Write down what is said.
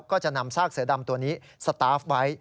ก็จะนำซากเสือดำตัวนี้สตาฟไว้